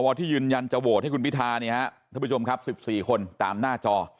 ที่ยืนยันจะโหวตให้คุณพิธาเนี่ยฮะท่านผู้ชมครับ๑๔คนตามหน้าจอ